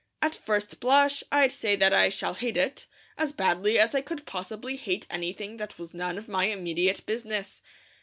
"At first blush, I'd say that I shall hate it, as badly as I could possibly hate anything that was none of my immediate business.